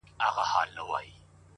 او د بل عیب همېشه د کلي منځ دی» -